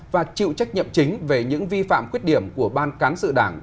và chịu trách nhiệm chính về những vi phạm khuyết điểm của ban cán sự đảng